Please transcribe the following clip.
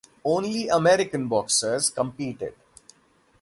Only American boxers competed.